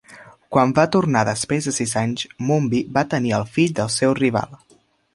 Quan va tornar després de sis anys, Mumbi va tenir el fill del seu rival.